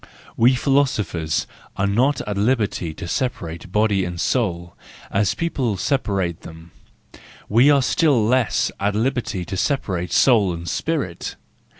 We philosophers are not at liberty to separate soul and body, as the people separate them; and we are still less at liberty to separate soul and spirit.